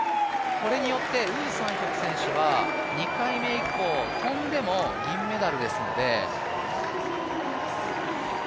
これによって、ウ・サンヒョク選手は２回目以降跳んでも銀メダルですので。